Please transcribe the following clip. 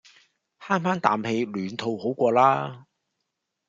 慳番啖氣暖肚好過啦